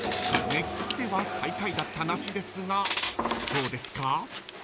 ［目利きでは最下位だった梨ですがどうですか？］